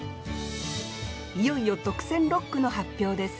いよいよ特選六句の発表です。